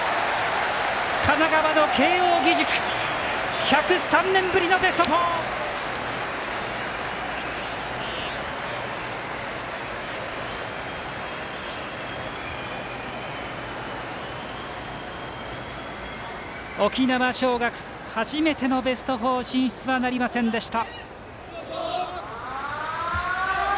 神奈川の慶応義塾１０３年ぶりのベスト４！沖縄尚学、初めてのベスト４進出はなりませんでした。